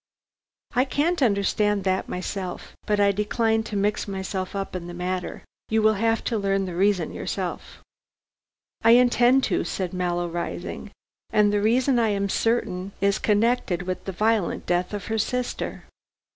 "I can't understand that myself. But I decline to mix myself up in the matter. You will have to learn the reason yourself." "I intend to," said Mallow rising, "and the reason I am certain is connected with the violent death of her sister!"